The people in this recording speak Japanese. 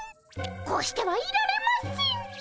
こうしてはいられません。